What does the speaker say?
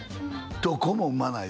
「どこもうまない」